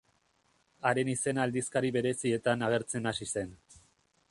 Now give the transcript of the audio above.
Haren izena aldizkari berezietan agertzen hasi zen.